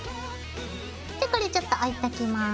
じゃこれちょっと置いときます。